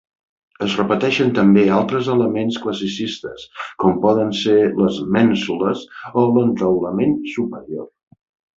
Es repeteixen també altres elements classicistes com poden ser les mènsules o l'entaulament superior.